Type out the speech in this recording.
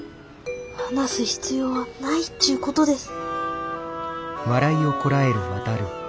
話す必要はないっちゅう事です。